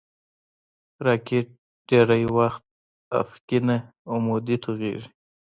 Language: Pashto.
راکټ ډېری وخت افقي نه، عمودي توغېږي